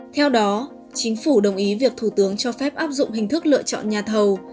theo đó chính phủ đồng ý việc thủ tướng cho phép áp dụng hình thức lựa chọn nhà thầu